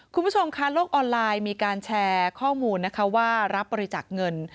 คุณผู้ชมค่ะโลกออนไลน์มีการแชร์ข้อมูลนะคะว่ารับบริจาคเงิน